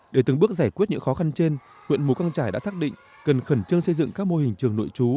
để từng bước giải quyết những khó khăn trên huyện mù căng trải đã xác định cần khẩn trương xây dựng các mô hình trường nội trú